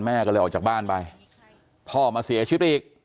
แม่ก็เลยออกจากบ้านไปพ่อมาเสียชีวิตไปอีก